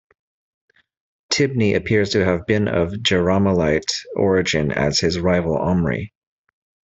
Tibni appears to have been of Jerahmeelite origin as his rival Omri.